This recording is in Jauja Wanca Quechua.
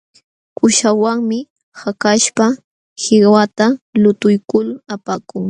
Kuuśhawanmi hakaśhpa qiwata lutuykul apakun.